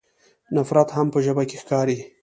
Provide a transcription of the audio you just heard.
نفرت هم په ژبه کې ښکاري.